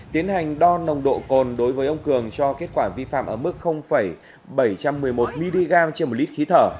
tiến hành đo nồng độ cồn đối với ông cường cho kết quả vi phạm ở mức bảy trăm một mươi một mg trên một lít khí thở